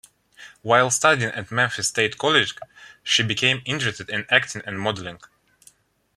While studying at Memphis State College, she became interested in acting and modeling.